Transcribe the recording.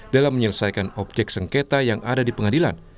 dalam menyelesaikan objek sengketa yang ada di pengadilan